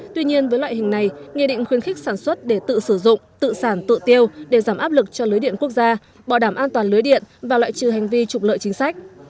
tuy nhiên với loại hình này nghị định khuyến khích sản xuất để tự sử dụng tự sản tự tiêu để giảm áp lực cho lưới điện quốc gia bỏ đảm an toàn lưới điện và loại trừ hành vi trục lợi chính sách